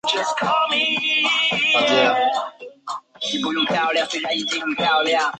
赖歇瑙被葬于柏林荣军公墓。